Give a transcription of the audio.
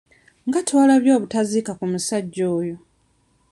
Nga twalabye obutaziika ku musajja oyo.